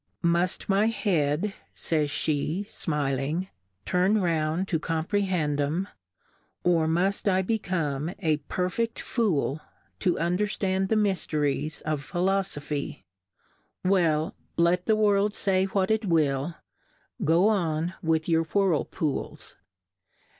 Muft my Head, faj'spe^ fmilmgy turn round to compre hend 'em, or mutt I become a perfect Fool to ivnderftand the Myfteries of Philofophy ? Well, let the World fay what it will, go on with your Whir pools.